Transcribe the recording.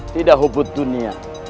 tidak hubut dunia